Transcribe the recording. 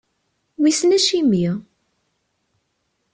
Wissen acimi?